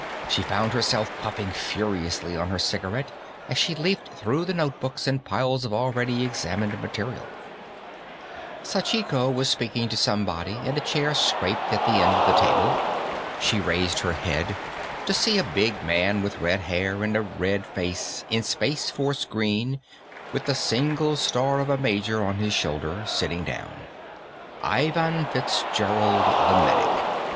She found herself puffing furiously on her cigarette as she leafed through notebooks and piles of already examined material. Sachiko was speaking to somebody, and a chair scraped at the end of the table. She raised her head, to see a big man with red hair and a red face, in Space Force green, with the single star of a major on his shoulder, sitting down. Ivan Fitzgerald, the medic.